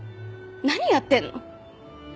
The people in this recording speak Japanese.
何やってるの！？